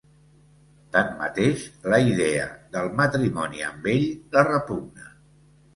Tanmateix, la idea del matrimoni amb ell la repugna.